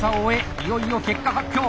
いよいよ結果発表！